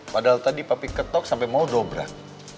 padahal tadi papa ketok sampai mau dobrak